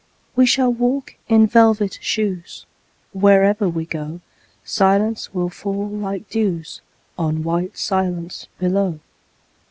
We shall walk in velvet shoes: Wherever we go Silence will fall like dews On white silence below.